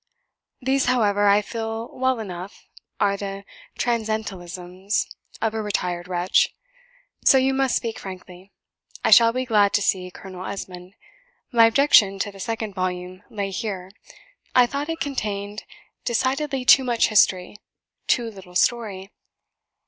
These, however, I feel well enough, are the transcendentalisms of a retired wretch; so you must speak frankly. ... I shall be glad to see 'Colonel Esmond.' My objection to the second volume lay here: I thought it contained decidedly too much history too little story."